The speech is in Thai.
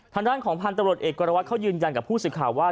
ทางด้านของพันธุ์ตำรวจเอกกรวัตรเขายืนยันกับผู้สื่อข่าวว่า